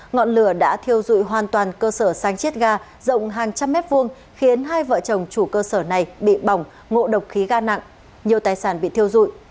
ngọn lửa đã thiêu dụi hoàn toàn cơ sở săn chiết ga rộng hàng trăm mét vuông khiến hai vợ chồng chủ cơ sở này bị bỏng ngộ độc khí ga nặng nhiều tài sản bị thiêu dụi